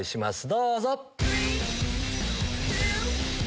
どうぞ。